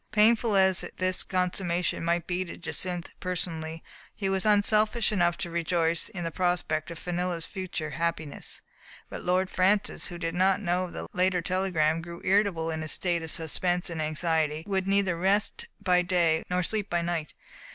Painful as this consummation might be to Jacynth personally, he was unselfish enough to rejoice in the prospect of Fenella's future happi ness, but Lord Francis, who did not know of the later telegram, grew irritable in his state of sus pense and anxiety, and would neither rest by day nor sleep by night.